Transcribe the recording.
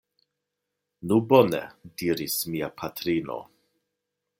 Nu bone, diris mia patrino.